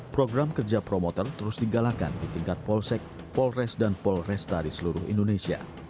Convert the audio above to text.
program kerja promoter terus digalakan di tingkat polsek polres dan polresta di seluruh indonesia